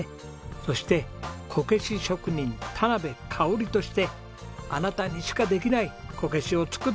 そしてこけし職人田香としてあなたにしかできないこけしを作ってください。